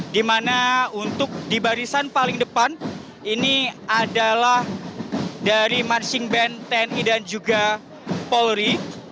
di mana untuk di barisan paling depan ini adalah dari marching band tni dan juga polri